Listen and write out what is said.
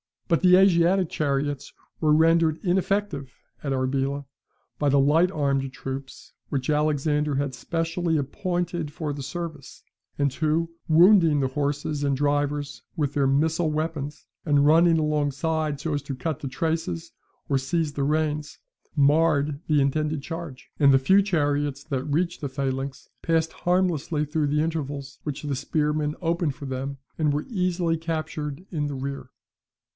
But the Asiatic chariots were rendered ineffective at Arbela by the light armed troops whom Alexander had specially appointed for the service, and who, wounding the horses and drivers with their missile weapons, and running alongside so as to cut the traces or seize the reins, marred the intended charge; and the few chariots that reached the phalanx passed harmlessly through the intervals which the spearmen opened for them, and were easily captured in the rear.